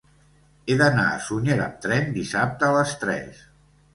He d'anar a Sunyer amb tren dissabte a les tres.